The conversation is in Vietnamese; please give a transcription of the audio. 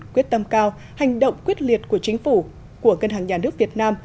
quyết tâm cao hành động quyết liệt của chính phủ của ngân hàng nhà nước việt nam